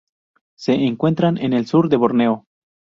Se encuentran en el sur de Borneo.